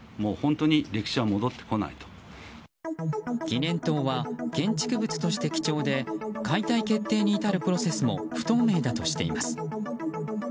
記念塔は建築物として貴重で解体決定に至るプロセスも不透明だとしています。